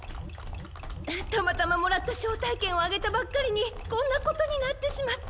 たまたまもらったしょうたいけんをあげたばっかりにこんなことになってしまって。